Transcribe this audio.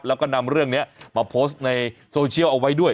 แล้วก็นำเรื่องนี้มาโพสต์ในโซเชียลเอาไว้ด้วย